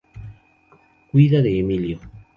Cuida de Emilio".